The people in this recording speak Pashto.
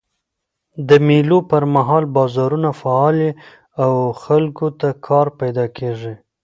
د مېلو پر مهال بازارونه فعاله يي او خلکو ته کار پیدا کېږي.